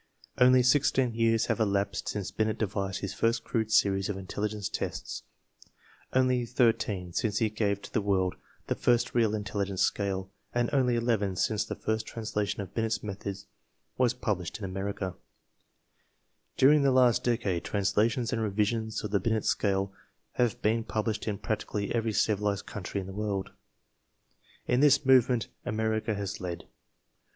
Only sixteen years have elapsed since Binet devis ed [his fi rst crude series of intelligence t^^thi^ the [fiBT real intelligence scale, and only eleven since the first translation of Binet's method was published in America. During the last decade translations and revisions of the Binet scale have been published in practically every civilized country of the world. In this movement Amer ica has led.